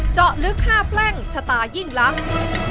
เจาะลึกฆ่าแปลงชะตายิ่งลักษณ์